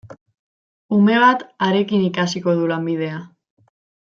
Ume bat harekin ikasiko du lanbidea.